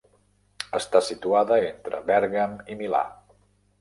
Està situada entre Bèrgam i Milà.